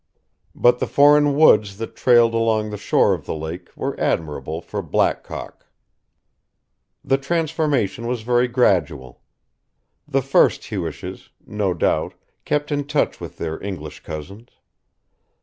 But the foreign woods that trailed along the shore of the lake were admirable for black cock. The transformation was very gradual. The first Hewishes, no doubt, kept in touch with their English cousins.